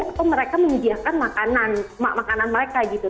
atau mereka menyediakan makanan mereka gitu